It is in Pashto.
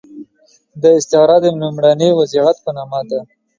دا استعاره د لومړني وضعیت په نامه ده.